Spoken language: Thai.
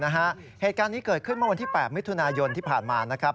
เหตุการณ์นี้เกิดขึ้นเมื่อวันที่๘มิถุนายนที่ผ่านมานะครับ